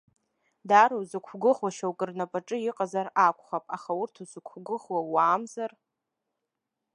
Даара узықәгәыӷуа шьоукы рнапаҿы иҟазар акәхап, аха урҭ узықәгәыӷуа уаамзар?